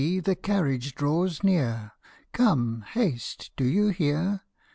The carriage draws near ! Come, haste ! Do you hear